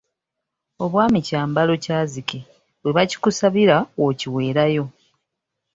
Obwami kyambalo kyazike we bakikusabira w’okiweerayo.